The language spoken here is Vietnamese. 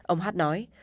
ông h h nói